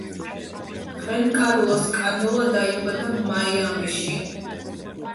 ხენკარლოს კანელა დაიბადა მაიამიში.